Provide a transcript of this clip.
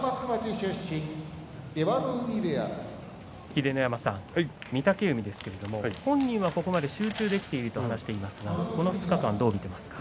秀ノ山さん、御嶽海ですけれども本人はここまで集中できていると話していますがこの２日間どう見ていますか。